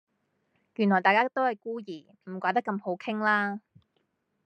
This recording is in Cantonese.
原來大家都係孤兒，唔怪得咁好傾啦